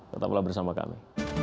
tetap berbicara bersama kami